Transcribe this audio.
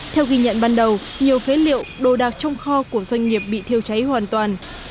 theo ghi nhận ban đầu nhiều phế liệu đồ đạc trong kho của doanh nghiệp bị thiêu cháy hoàn toàn